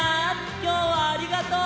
きょうはありがとう！